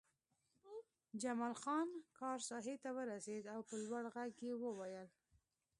جمال خان کار ساحې ته ورسېد او په لوړ غږ یې وویل